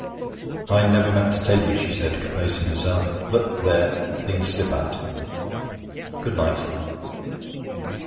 'I never meant to tell you,' she said, composing herself. 'But, there! things slip out. Good night.'